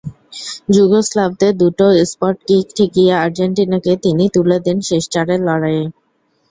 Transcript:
যুগোস্লাভদের দুটো স্পটকিক ঠেকিয়ে আর্জেন্টিনাকে তিনি তুলে দেন শেষ চারের লড়াইয়ে।